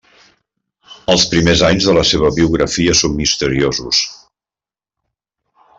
Els primers anys de la seva biografia són misteriosos.